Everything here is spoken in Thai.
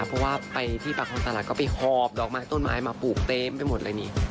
เพราะว่าไปที่ปากคลองตลาดก็ไปหอบดอกไม้ต้นไม้มาปลูกเต็มไปหมดเลยนี่